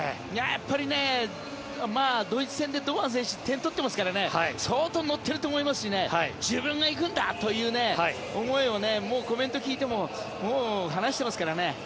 やっぱりドイツ戦で堂安選手、点を取っていますから相当乗っていると思いますし自分がいくんだという思いをコメントを聞いても話していますからね。